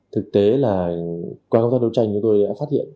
thực tế là quan công tác đấu tranh của tôi đã phát hiện